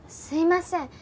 すみません。